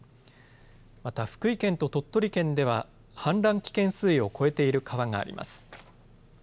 また福井県と鳥取県では氾濫危険水位を超えている川があります。